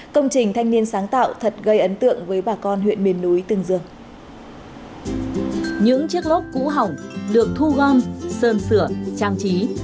công trình thanh niên sáng tạo thật gây ấn tượng với bà con huyện miền núi tương dương